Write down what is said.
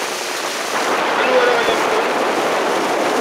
Anwa ara ɣ-yamnen?